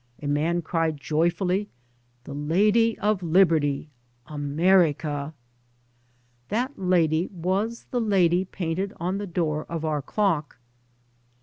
A man cried joyfully, " The Lady of Liberty — America I " That lady was the lady painted on the door of our clock.